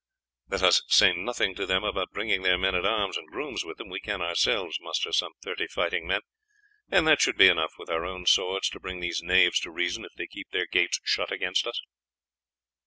Let us say nothing to them about bringing their men at arms and grooms with them. We can ourselves muster some thirty fighting men, and that should be enough with our own swords to bring these knaves to reason if they keep their gates shut against us."